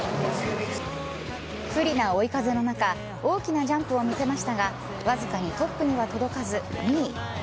不利な追い風の中大きなジャンプを見せましたがわずかにトップには届かず２位。